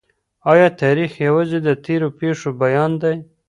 آیا تاریخ یوازي د تېرو پېښو بیان دی؟